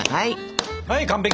はい完璧！